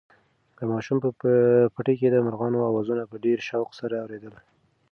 ماشوم په پټي کې د مرغانو اوازونه په ډېر شوق سره اورېدل.